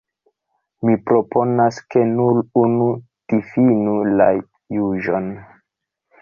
Mi proponas, ke nur unu difinu la juĝon.